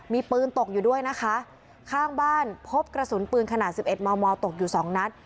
มีปืนตกอยู่ด้วยนะคะข้างบ้านพบกระสุนปืนขนาดสิบเอ็ดมอตกอยู่สองนัด